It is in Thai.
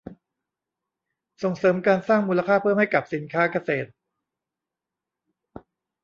ส่งเสริมการสร้างมูลค่าเพิ่มให้กับสินค้าเกษตร